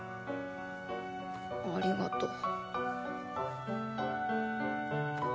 ありがとう。